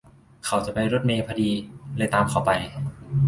เขาจะไปรถเมล์พอดี เลยตามเขาไป